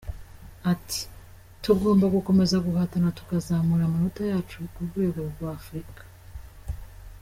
Ati” Tugomba gukomeza guhatana tukazamura amanota yacu ku rwego rwa Afurika.”